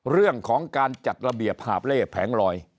เรื่องของการจัดระเบียบหาบเล่แผงลอย